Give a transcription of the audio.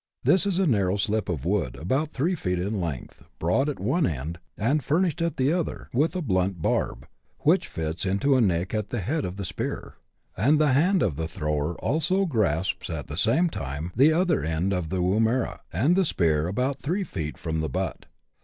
This is a narrow slip of wood, about three feet in length, broad at one end, and furnished at the other with a 110 BUSH LIFE IN AUSTRALIA. [chap. x. blunt barb, which fits into a nick at the head of the spear ; and the hand of the tlirower also grasps at the same time the other end of the woomera, and the spear about three feet from the butt.